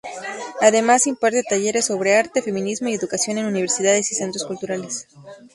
Además imparte talleres sobre arte, feminismo y educación en Universidades y centros culturales.